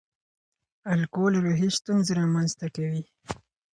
الکول روحي ستونزې رامنځ ته کوي.